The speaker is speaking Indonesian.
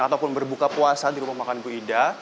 ataupun berbuka puasa di rumah makan bu ida